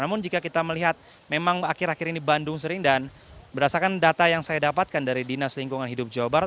namun jika kita melihat memang akhir akhir ini bandung sering dan berdasarkan data yang saya dapatkan dari dinas lingkungan hidup jawa barat